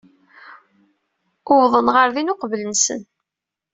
Uwḍen ɣer din uqbel-nsent.